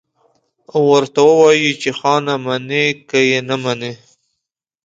او ورته ووايي چې خانه منې که يې نه منې.